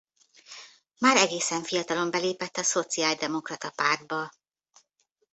Már egészen fiatalon belépett a szociáldemokrata pártba.